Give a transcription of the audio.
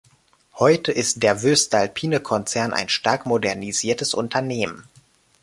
Heute ist der voestalpine-Konzern ein stark modernisiertes Unternehmen.